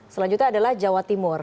selanjutnya adalah jawa timur